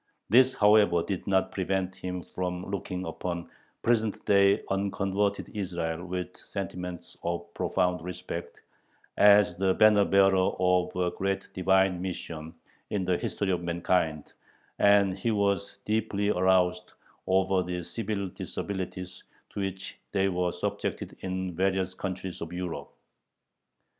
This however did not prevent him from looking upon present day unconverted Israel with sentiments of profound respect, as the banner bearer of a great Divine mission in the history of mankind, and he was deeply aroused over the civil disabilities to which they were subjected in the various countries of Europe.